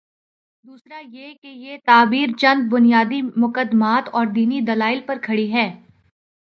دوسرا یہ کہ یہ تعبیر چند بنیادی مقدمات اوردینی دلائل پر کھڑی ہے۔